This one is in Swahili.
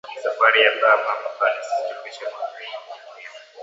Safari ya ba mama bana ichofesha mu mwenji ya piri